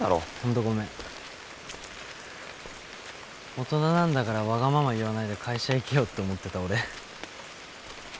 大人なんだからわがまま言わないで会社行けよって思ってた俺。